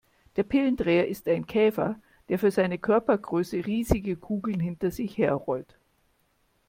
Der Pillendreher ist ein Käfer, der für seine Körpergröße riesige Kugeln hinter sich her rollt.